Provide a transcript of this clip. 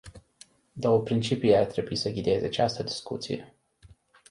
Două principii ar trebui să ghideze această discuție.